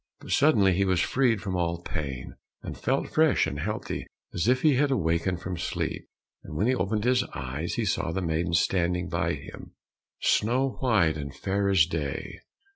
But suddenly he was freed from all pain, and felt fresh and healthy as if he had awakened from sleep, and when he opened his eyes he saw the maiden standing by him, snow white, and fair as day.